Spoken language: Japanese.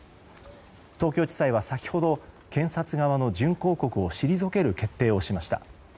東京地裁は先ほど、検察側の準抗告を退ける決定をしました。